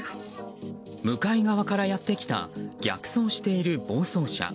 向かい側からやってきた逆走している暴走車。